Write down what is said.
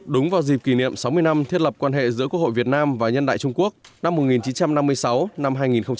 đúng vào dịp kỷ niệm sáu mươi năm thiết lập quan hệ giữa quốc hội việt nam và nhân đại trung quốc năm một nghìn chín trăm năm mươi sáu hai nghìn một mươi chín